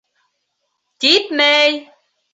Типмәй!